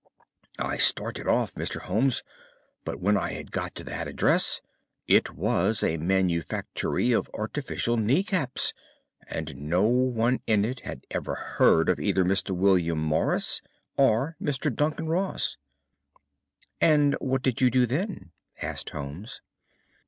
"I started off, Mr. Holmes, but when I got to that address it was a manufactory of artificial knee caps, and no one in it had ever heard of either Mr. William Morris or Mr. Duncan Ross." "And what did you do then?" asked Holmes.